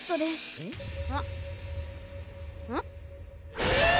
へっうん？